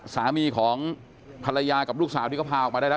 สามีของภรรยากับลูกสาวที่เขาพาออกมาได้แล้ว